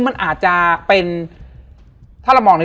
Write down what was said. เพื่อที่จะให้แก้วเนี่ยหลอกลวงเค